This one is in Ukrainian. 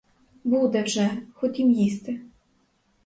Буде вже ходім їсти.